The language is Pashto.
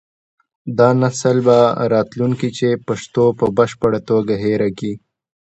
دا نسل به راتلونکي کې پښتو په بشپړه توګه هېره کړي.